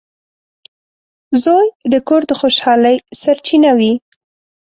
• زوی د کور د خوشحالۍ سرچینه وي.